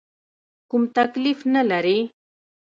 کوم تکلیف نه لرې؟